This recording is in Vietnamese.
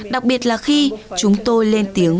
đặc biệt là khi chúng tôi lên tiếng